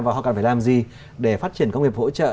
và họ cần phải làm gì để phát triển công nghiệp hỗ trợ